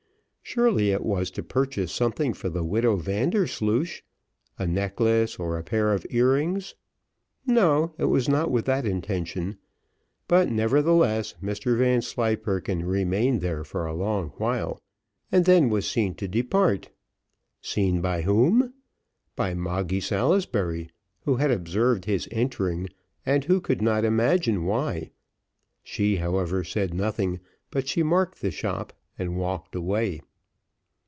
Surely it was to purchase something for the widow Vandersloosh a necklace or pair of ear rings. No, it was not with that intention; but nevertheless, Mr Vanslyperken remained there for a long while, and then was seen to depart. Seen by whom? By Moggy Salisbury, who had observed his entering, and who could not imagine why; she, however, said nothing, but she marked the shop, and walked away.